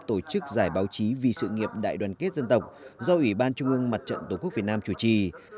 tổ chức giải báo chí vì sự nghiệp đại đoàn kết dân tộc do ủy ban trung ương mặt trận tổ quốc việt nam chủ trì